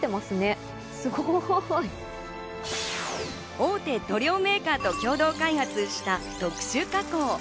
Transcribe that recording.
大手塗料メーカーと共同開発した特殊加工。